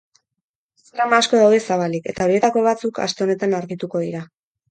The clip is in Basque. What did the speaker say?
Trama asko daude zabalik eta horietako batzuk aste honetan argituko dira.